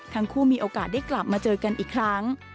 มีโอกาสได้กลับมาเจอกันอีกครั้ง